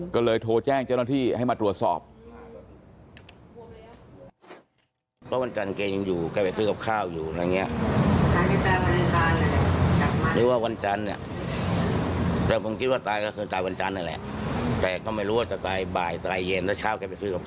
ก็เลยโทรแจ้งเจ้าหน้าที่ให้มาตรวจสอบ